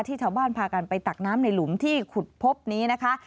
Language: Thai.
ชาวบ้านพากันไปตักน้ำในหลุมที่ขุดพบนี้นะคะ